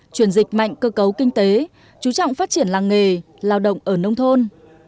chuyển dịch mạnh cơ cấu kinh tế chú trọng phát triển làng nghề lao động ở nông thôn